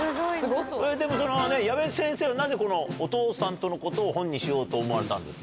でも、矢部先生は、なぜこの、お父さんとのことを本にしようと思われたんですか？